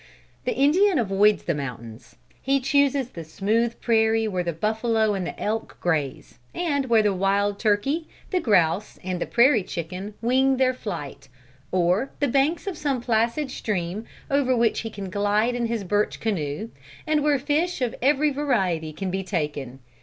The Indian avoids the mountains. He chooses the smooth prairie where the buffalo and the elk graze, and where the wild turkey, the grouse and the prairie chicken, wing their flight, or the banks of some placid stream over which he can glide in his birch canoe, and where fish of every variety can be taken.